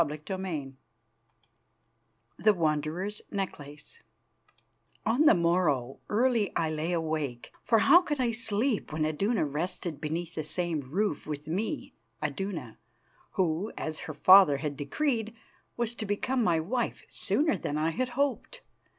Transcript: CHAPTER III THE WANDERER'S NECKLACE On the morrow early I lay awake, for how could I sleep when Iduna rested beneath the same roof with me Iduna, who, as her father had decreed, was to become my wife sooner than I had hoped?